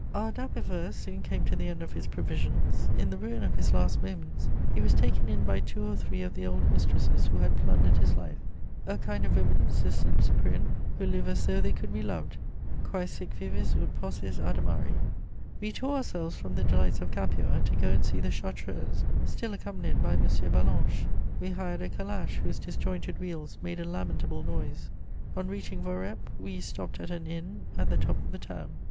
Our dapifer soon came to the end of his provisions: in the ruin of his last moments he was taken in by two or three of the old mistresses who had plundered his life, "a kind of women," says St. Cyprian, "who live as though they could be loved: quæ sic vivis ut possis adamari." * [Sidenote: The Grande Chartreuse.] We tore ourselves from the delights of Capua to go and see the Chartreuse, still accompanied by M. Ballanche. We hired a calash whose disjointed wheels made a lamentable noise. On reaching Voreppe we stopped at an inn at the top of the town.